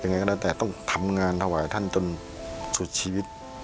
ยังไงก็แล้วแต่ต้องทำงานถวายท่านจนสุดชีวิต